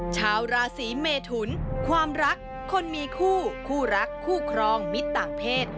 ชาวราศีเมทุนความรักคนมีคู่คู่รักคู่ครองมิตรต่างเพศ